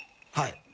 はい。